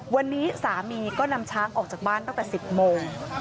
วันนี้สามีก็นำช้างออกจากบ้านตั้งแต่๑๐โมง